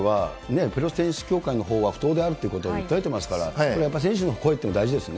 あとプロテニス協会のほうは不当であるということを訴えていますから、これはやっぱり、選手の声っていうのは大事ですね。